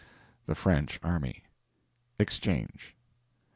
(The French army.) Exchange.